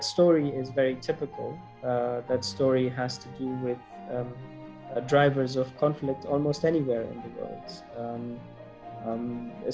dan cerita itu sangat tipikal cerita itu harus berhubung dengan pengaruh konflik di hampir mana mana di dunia